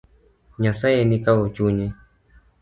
Nyasaye ni kawo chunye.